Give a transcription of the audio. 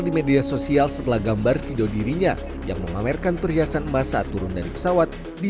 di media sosial setelah gambar video dirinya yang memamerkan perhiasan emas saat turun dari pesawat di